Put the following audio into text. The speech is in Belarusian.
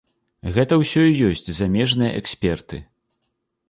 Гэта ўсё і ёсць замежныя эксперты.